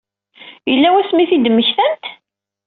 Yella wasmi i t-id-mmektant?